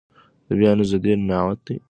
د بيان ازادي نعمت دی.